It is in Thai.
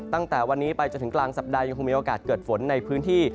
ตั้งแต่วันนี้ไปจนถึงกลางสัปดาห์ยังคงมีโอกาสเกิดฝนในพื้นที่